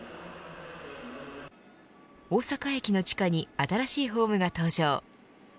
大阪駅の地下に新しいホームが登場。